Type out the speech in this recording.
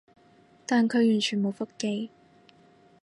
但佢完全冇覆機